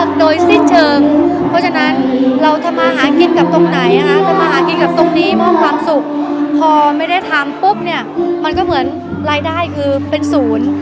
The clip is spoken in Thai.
เพราะฉะนั้นเราจะมาหากินกับตรงไหนกับตรงนี้เมาะความสุขพอไม่ได้ทำปุ๊บเนี่ยมันก็เหมือนรายได้คือเป็นสูญ